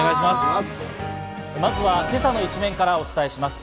まずは今朝の一面からお伝えします。